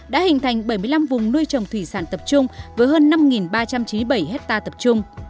đã hình thành bảy mươi năm vùng nuôi trồng thủy sản tập trung với hơn năm ba trăm chín mươi bảy hectare tập trung